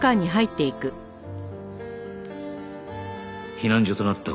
避難所となった